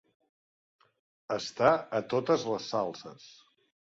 Estar a totes les salses.